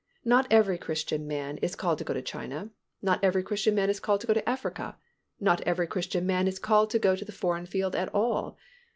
Not every Christian man is called to go to China; not every Christian man is called to go to Africa; not every Christian man is called to go to the foreign field at all.